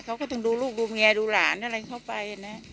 เขาก็ต้องดูลูกดูแม่ดูหลานที่เขาไปนี้เนี้ย